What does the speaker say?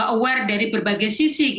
aware dari berbagai sisi